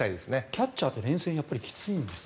キャッチャーって連戦、きついんですね。